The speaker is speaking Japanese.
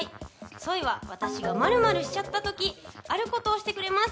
ソイは私が○○しちゃった時あることをしてくれます。